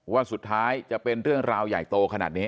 ว่าสุดท้ายจะเป็นเรื่องราวใหญ่โตขนาดนี้